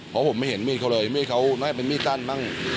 เพราะผมไม่เห็นมีดเขาเลยมีดเขาน่าจะเป็นมีดสั้นมั่ง